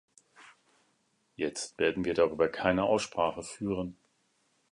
Jetzt werden wir darüber keine Aussprache führen.